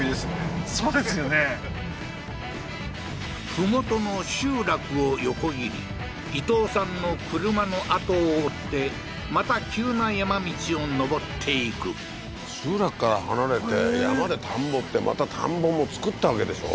麓の集落を横切り伊藤さんの車のあとを追ってまた急な山道を上っていく集落から離れて山で田んぼってまた田んぼも作ったわけでしょ？